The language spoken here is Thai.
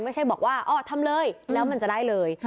ไม่ใช่บอกว่าอ๋อทำเลยแล้วมันจะได้เลย